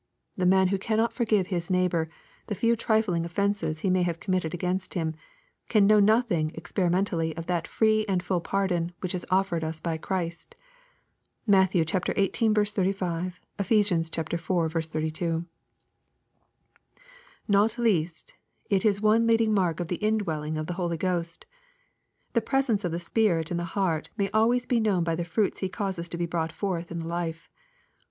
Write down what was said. The man who cannot forgive his neighbor the few trifling offences he may have committed against him, can know nothing experimentally of that free and full pardon which is offered us by Christ. (Matt, xviii. 35 ; Ephes. iv. 32.)— Not least, it is one leading mark of the indwelling of the Holy Ghost. The presence of the Spirit in the heart may always be known by the fruits He causes to be brought forth in the life.